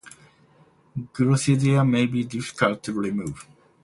Glochidia may be difficult to remove.